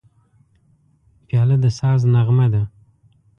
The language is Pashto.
پیاله د ساز نغمه ده.